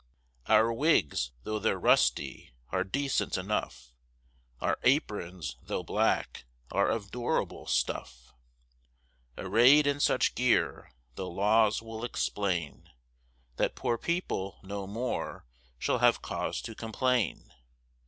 Our wigs, though they're rusty, are decent enough; Our aprons, though black, are of durable stuff; Array'd in such gear, the laws we'll explain, That poor people no more shall have cause to complain.